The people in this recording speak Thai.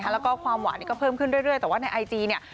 แล้วก็ความหวานก็เพิ่มขึ้นเรื่อยแต่ว่าในไอจีเนี่ย